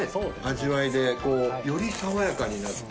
味わいでより爽やかになって。